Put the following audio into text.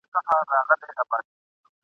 انسان له یوې تړلي ویني پیدا سوی دئ.